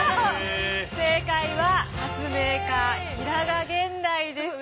正解は発明家平賀源内でした。